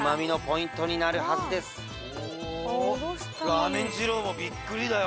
ラーメン二郎もビックリだよ